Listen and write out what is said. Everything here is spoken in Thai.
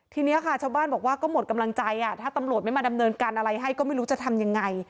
ทีนี้ค่ะชาวบ้านบอกว่าก็หมดกำลังใจถ้าตำรวจไม่มาดำเนินการอะไรให้ก็ไม่รู้จะทำยังไง